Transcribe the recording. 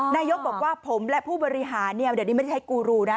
นายกบอกว่าผมและผู้บริหารเนี่ยเดี๋ยวนี้ไม่ได้ใช้กูรูนะ